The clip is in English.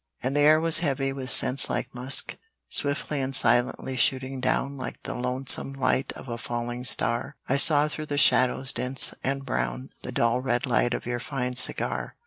And the air was heavy with scents like musk. Swiftly and silently shooting down Like the lonesome light of a falling star, I saw through the shadows dense and brown, The dull red light of your fine cigar.